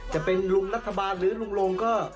จะเป็นลุงรัฐบาลหรือลุงลงก็